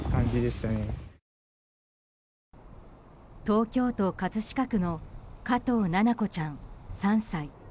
東京都葛飾区の加藤七菜子ちゃん、３歳。